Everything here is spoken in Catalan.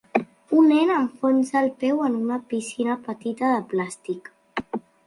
Un nen enfonsa el peu en una piscina petita de plàstic.